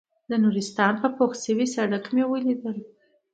د نورستان په پوخ شوي سړک مې وليدل.